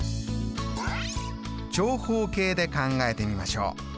長方形で考えてみましょう。